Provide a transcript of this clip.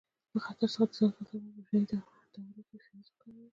له خطر څخه د ځان ساتلو لپاره په برېښنایي دورو کې فیوز وکاروئ.